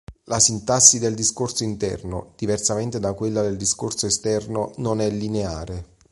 La sintassi del discorso interno, diversamente da quella del discorso esterno, non è lineare.